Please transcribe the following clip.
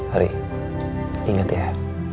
ari inget ya